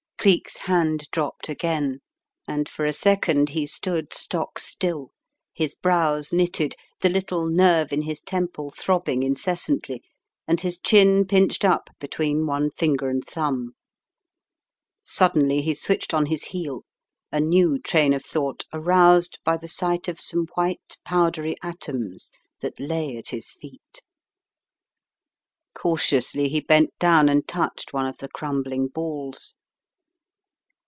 Cleek's hand dropped again, and for a second he stood stock still, his brows knitted, the little nerve in his temple throbbing incessantly and his chin pinched up between one finger and thumb. Sud 190 The Riddle of the Purple Emperor denly he switched on his heel, a new train of thought aroused by the sight of some white powdery atoms that lay at his feet. Cautiously he bent down and touched one of the crumbling balls.